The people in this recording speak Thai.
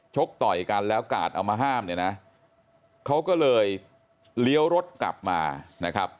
ต่อยกันแล้วกาดเอามาห้ามเนี่ยนะเขาก็เลยเลี้ยวรถกลับมานะครับ